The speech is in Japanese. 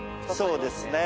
そうですね。